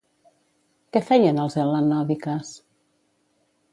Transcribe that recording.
Què feien els Hel·lanòdiques?